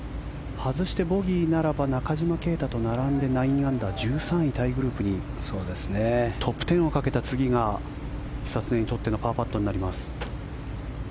外してボギーならば中島啓太と並んで９アンダー１３位タイグループにトップ１０をかけた久常にとっての次がパーパットになります。